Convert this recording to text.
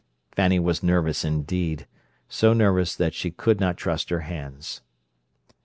Fanny was nervous indeed; so nervous that she could not trust her hands.